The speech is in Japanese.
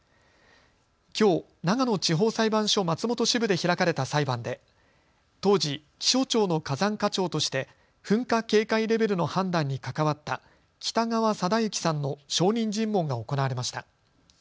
きょう、長野地方裁判所松本支部で開かれた裁判で当時、気象庁の火山課長として噴火警戒レベルの判断に関わった北川貞之さんの証人尋問が行われました。